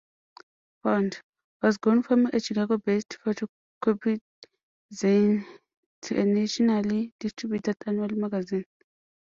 "Found" has grown from a Chicago-based photocopied zine to a nationally distributed annual magazine.